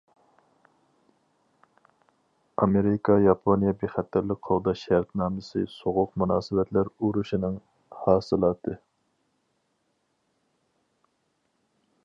ئامېرىكا ياپونىيە بىخەتەرلىك قوغداش شەرتنامىسى سوغۇق مۇناسىۋەتلەر ئۇرۇشىنىڭ ھاسىلاتى.